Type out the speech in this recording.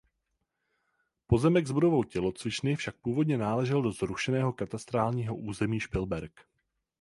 Pozemek s budovou tělocvičny však původně náležel do zrušeného katastrálního území Špilberk.